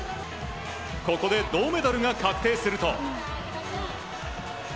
ここで銅メダルが確定すると。